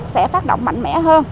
sẽ phát động mạnh mẽ hơn